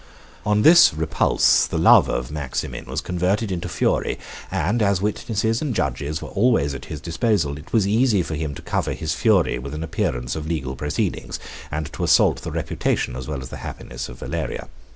82 On this repulse, the love of Maximin was converted into fury; and as witnesses and judges were always at his disposal, it was easy for him to cover his fury with an appearance of legal proceedings, and to assault the reputation as well as the happiness of Valeria.